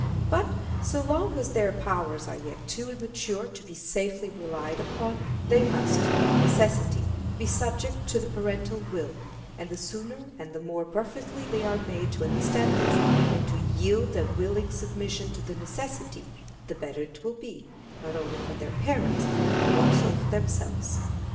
But so long as their powers are yet too immature to be safely relied upon, they must, of necessity, be subject to the parental will; and the sooner and the more perfectly they are made to understand this, and to yield a willing submission to the necessity, the better it will be, not only for their parents, but also for themselves.